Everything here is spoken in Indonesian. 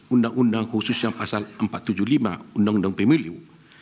undang undang khususnya pasal empat ratus tujuh puluh lima undang undang pemilu